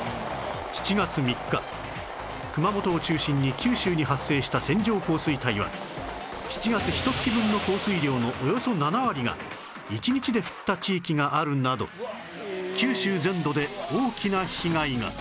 ７月３日熊本を中心に九州に発生した線状降水帯は７月ひと月分の降水量のおよそ７割が１日で降った地域があるなど九州全土で大きな被害が